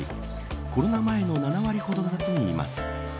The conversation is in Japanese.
コロナ前の７割ほどだといいます。